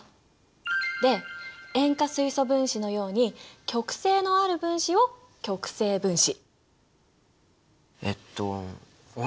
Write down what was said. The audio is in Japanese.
で塩化水素分子のように極性のある分子を極性分子。